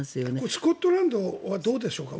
スコットランドはどうでしょうか。